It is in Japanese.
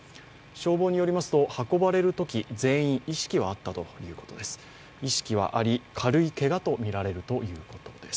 消防によりますと運ばれるとき、全員、意識はあったということです